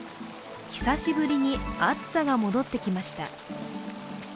久しぶりに暑さが戻ってきました。